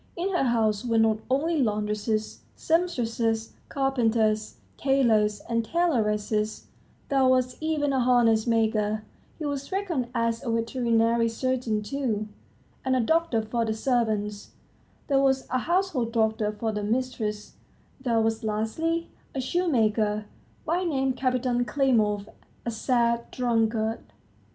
In her house were not only laundresses, sempstresses, carpenters, tailors and tailoresses, there was even a harness maker he was reckoned as a veterinary surgeon, too, and a doctor for the servants; there was a household doctor for the mistress; there was, lastly, a shoemaker, by name Kapiton Klimov, a sad drunkard.